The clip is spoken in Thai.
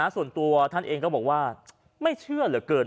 ส่วนตัวท่านเองก็บอกว่าไม่เชื่อเหลือเกิน